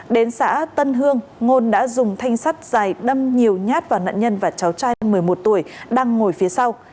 đến xã tân hương ngôn đã dùng thanh sắt dài đâm nhiều nhát vào nạn nhân và cháu trai một mươi một tuổi đang ngồi phía sau